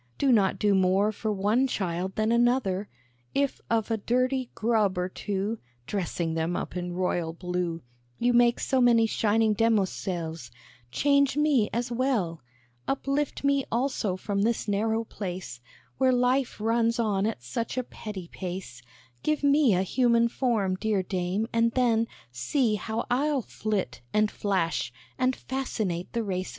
Do not do more for one child than another; If of a dirty grub or two (Dressing them up in royal blue) You make so many shining Demoiselles, Change me as well; Uplift me also from this narrow place, Where life runs on at such a petty pace; Give me a human form, dear Dame, and then See how I'll flit, and flash, and fascinate the race of men!"